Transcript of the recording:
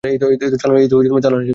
এইতো চালান এসে গেছে।